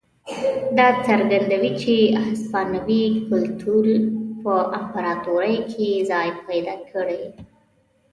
دا څرګندوي چې هسپانوي کلتور په امپراتورۍ کې ځای پیدا کړی.